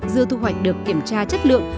dưa thu hoạch được kiểm tra chất lượng